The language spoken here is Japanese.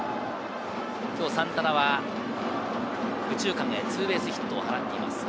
今日、サンタナは右中間へツーベースヒットを放っています。